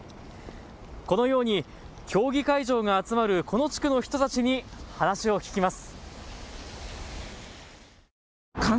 このように競技会場が集まるこの地区の人たちに話を聞きます。